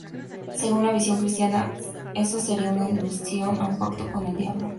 Según la visión cristiana, eso sería una alusión a un pacto con el diablo.